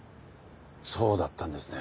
そうだったんですね。